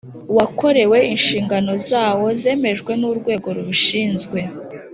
Wakorewe inshingano zawo zemejwe n’ urwego rubishinzwe